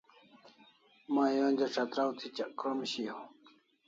May onja chatraw tichak krom shiaw